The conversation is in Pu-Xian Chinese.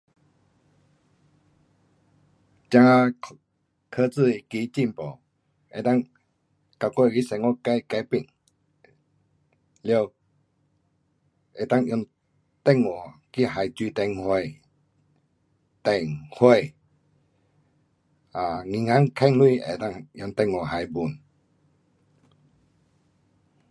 这科技那个进步，能够把我那个生活改,改变。了，能够用电话去还水电火。电，火，银行欠钱能够用电话还 pun